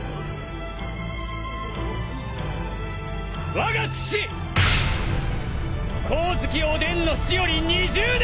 わが父光月おでんの死より２０年！